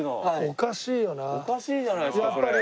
おかしいじゃないですかそれ。